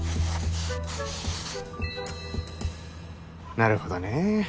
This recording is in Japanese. なるほどね。